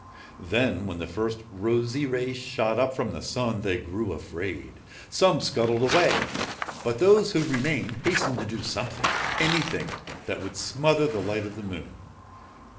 Then, when the first rosy ray shot up from the Sun, they grew afraid. Some scuttled away, but those who remained hastened to do something anything that would smother the light of the Moon.